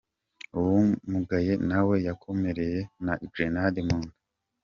Uwamugaye nawe yakomerekejwe na Grenade mu nda.